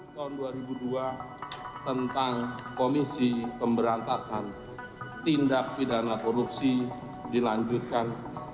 tahun dua ribu dua tentang komisi pemberantasan tindak pidana korupsi dilanjutkan